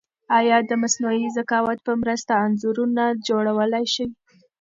ایا د مصنوعي ذکاوت په مرسته انځورونه جوړولای شئ؟